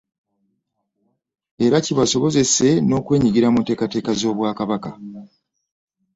Era kibasobozese n'okwenyigira mu nteekateeka z'Obwakabaka.